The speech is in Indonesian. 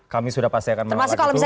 kami sudah pasti akan menolak itu